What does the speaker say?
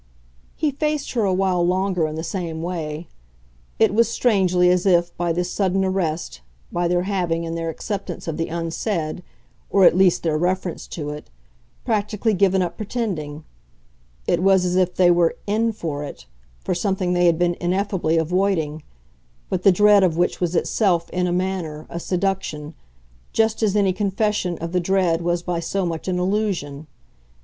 He faced her awhile longer in the same way; it was, strangely, as if, by this sudden arrest, by their having, in their acceptance of the unsaid, or at least their reference to it, practically given up pretending it was as if they were "in" for it, for something they had been ineffably avoiding, but the dread of which was itself, in a manner, a seduction, just as any confession of the dread was by so much an allusion.